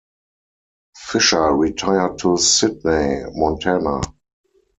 Fisher retired to Sidney, Montana.